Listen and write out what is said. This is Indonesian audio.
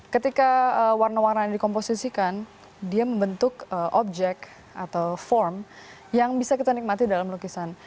ketika warna warna yang dikomposisikan dia membentuk objek atau form yang bisa kita nikmati dalam lukisan